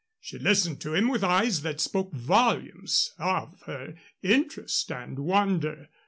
She listened to him with eyes that spoke volumes of her interest and wonder.